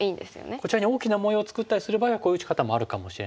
こちらに大きな模様を作ったりする場合はこういう打ち方もあるかもしれないんですけども。